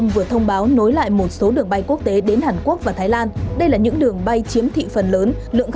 với tỉ trọng chiếm hơn hai mươi